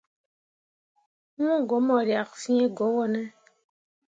Wu go mu riak fii go wone.